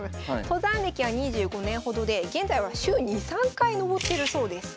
登山歴は２５年ほどで現在は週２３回登ってるそうです。